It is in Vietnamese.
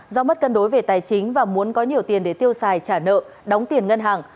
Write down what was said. do mất cân đối về tài chính và muốn có nhiều tiền để tiêu xài trả nợ đóng tiền ngân hàng